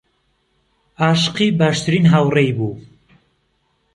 عاشقی باشترین هاوڕێی بوو.